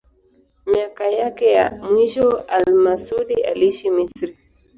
Miaka yake ya mwisho al-Masudi aliishi Misri.